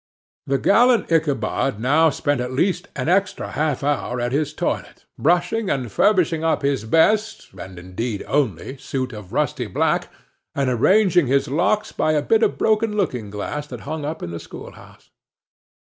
The gallant Ichabod now spent at least an extra half hour at his toilet, brushing and furbishing up his best, and indeed only suit of rusty black, and arranging his locks by a bit of broken looking glass that hung up in the schoolhouse.